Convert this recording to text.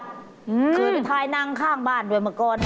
คือมันท้ายนั่งข้างบ้านด้วยมาก่อน